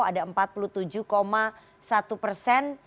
ada empat puluh tujuh satu persen